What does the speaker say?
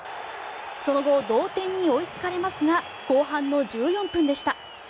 その後、同点に追いつかれますが後半の１４分でした。